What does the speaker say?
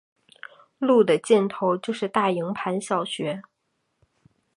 路的尽头就是大营盘小学。